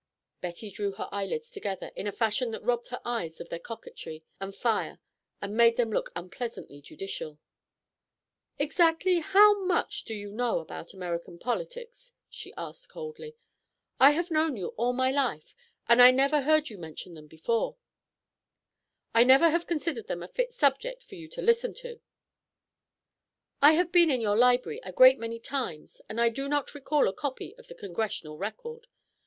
Betty drew her eyelids together in a fashion that robbed her eyes of their coquetry and fire and made them look unpleasantly judicial. "Exactly how much do you know about American politics?" she asked coldly. "I have known you all my life and I never heard you mention them before " "I never have considered them a fit subject for you to listen to " "I have been in your library a great many times and I do not recall a copy of the Congressional Record.